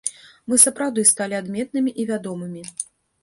Мы сапраўды сталі адметнымі і вядомымі.